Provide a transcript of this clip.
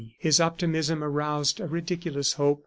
... His optimism aroused a ridiculous hope.